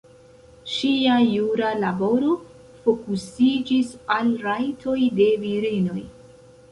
Ŝia jura laboro fokusiĝis al rajtoj de virinoj.